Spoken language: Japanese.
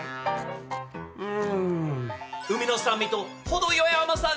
うん。